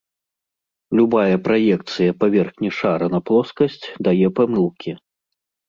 Любая праекцыя паверхні шара на плоскасць дае памылкі.